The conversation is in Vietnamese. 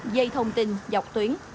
dây thông tin dọc tuyến